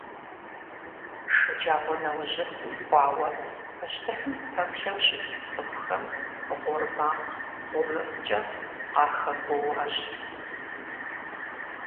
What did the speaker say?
ШэджагъуэнэужьыфӀ хъуауэ пащтыхьым пэплъэу щыт цӀыхухэм гъуор макъ гъумыфӀкӀэ къахэгуоуащ.